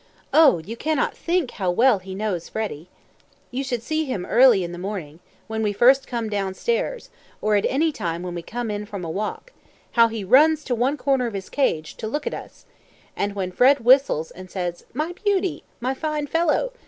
Oh! you cannot think how well he knows Freddy. You should see him early in the morning, when we first come down stairs, or at any time when we come in from a walk, how he runs to one corner of his cage, to look at us: and when Fred whistles and says, "My beauty! my fine fellow!"